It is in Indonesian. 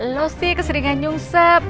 lu sih keseringan nyungsep